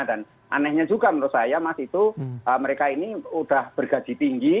dan anehnya juga menurut saya mas itu mereka ini udah bergaji tinggi